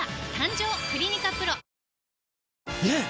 ねえ‼